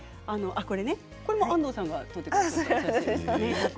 これも安藤さんが撮ってくれた写真ですよね。